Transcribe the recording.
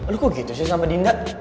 lu kok gitu sih sama dinda